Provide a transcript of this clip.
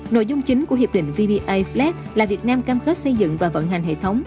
nội dung chính của hiệp định vba flex là việt nam cam khớt xây dựng và vận hành hệ thống